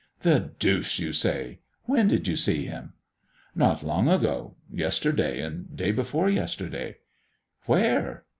"The deuce you say! When did you see Him?" "Not long ago. Yesterday and day before yesterday." "Where?"